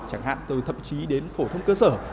chẳng hạn từ thậm chí đến phổ thông cơ sở